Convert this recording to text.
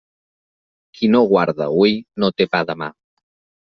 Qui no guarda hui no té pa demà.